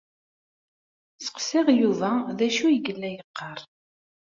Sseqsaɣ Yuba d acu i yella yeqqar.